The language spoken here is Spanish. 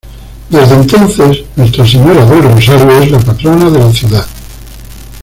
Desde entonces, Nuestra Señora del Rosario es la patrona de la Ciudad.